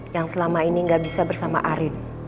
yang selama ini gak bisa bersama arin